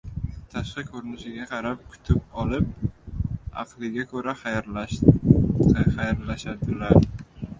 • Tashqi ko‘rinishiga qarab kutib olib, aqliga ko‘ra xayrlashadilar.